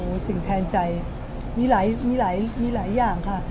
โอ้สิ่งแทนใจมีหลายมีหลายมีหลายอย่างค่ะ